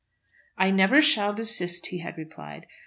"I never shall desist," he had replied.